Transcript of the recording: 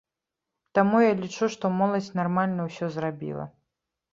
Таму я лічу, што моладзь нармальна ўсё зрабіла.